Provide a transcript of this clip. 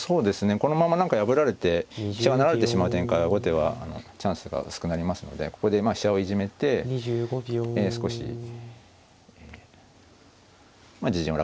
このまま何か破られて飛車を成られてしまう展開は後手はチャンスが薄くなりますのでここで飛車をいじめて少し自陣を楽にするというか。